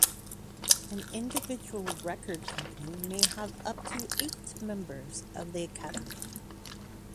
An individual record company may have up to eight members on the academy.